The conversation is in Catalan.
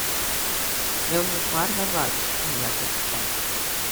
Déu nos guard de boigs, en lloc estret.